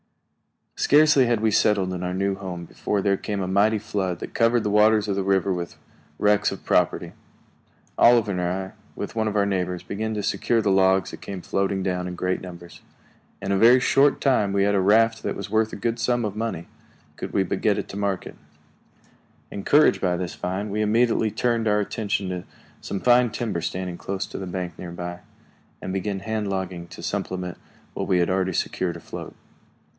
Scarcely had we settled in our new home before there came a mighty flood that covered the waters of the river with wrecks of property. Oliver and I, with one of our neighbors, began to secure the logs that came floating down in great numbers. In a very short time we had a raft that was worth a good sum of money, could we but get it to market. [Illustration: Our first cabin home.] Encouraged by this find, we immediately turned our attention to some fine timber standing close to the bank near by, and began hand logging to supplement what we had already secured afloat.